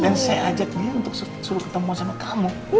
dan saya ajak dia untuk suruh ketemu sama kamu